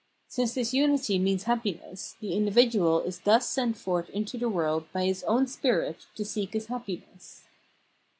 Since this unity means happiness, the individual is thus sent forth into the world by his own spirit to seek his happiness.